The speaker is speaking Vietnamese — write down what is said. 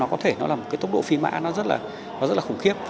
có thể nó là một cái tốc độ phi mã nó rất là khủng khiếp